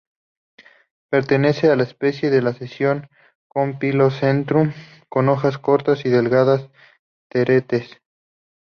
Pertenece a la especie de la sección "Campylocentrum" con hojas cortas y delgadas teretes.